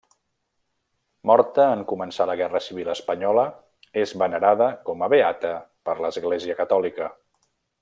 Morta en començar la Guerra Civil espanyola, és venerada com a beata per l'Església catòlica.